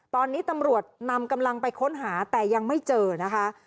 ตอนนี้ตำรวจนำกำลังไปค้นหาแต่ยังไม่เจอนะคะ